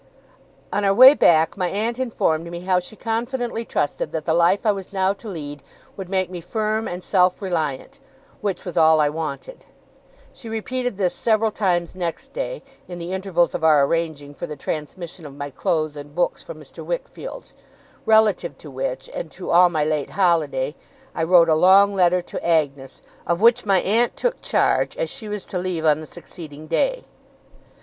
On our way back, my aunt informed me how she confidently trusted that the life I was now to lead would make me firm and self reliant, which was all I wanted. She repeated this several times next day, in the intervals of our arranging for the transmission of my clothes and books from Mr. Wickfield's; relative to which, and to all my late holiday, I wrote a long letter to Agnes, of which my aunt took charge, as she was to leave on the succeeding day.